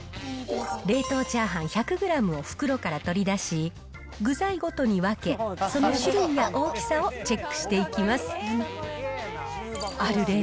冷凍チャーハン１００グラムを袋から取り出し、具材ごとに分け、その種類や大きさをチェックしていきます。